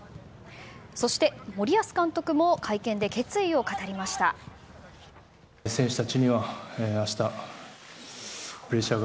そして森保監督も会見で決意を語りました。